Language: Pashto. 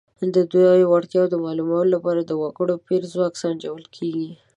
د دویمې وړتیا معلومولو لپاره د وګړو پېر ځواک سنجول کیږي.